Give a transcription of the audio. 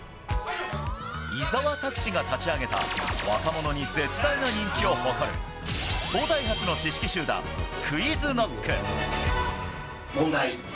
伊沢拓司が立ち上げた、若者に絶大な人気を誇る東大発の知識集団、問題。